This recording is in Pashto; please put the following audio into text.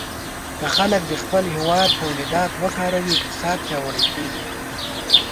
که خلک د خپل هېواد تولیدات وکاروي، اقتصاد پیاوړی کېږي.